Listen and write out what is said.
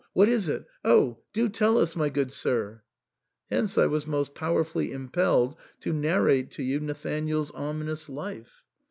what is it ? Oh ! do tell us, my good sir ?" Hence I was most powerfully impelled to narrate to you NathanaeFs ominous life.